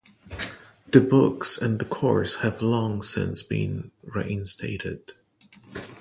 The books and the course have long since been reinstated.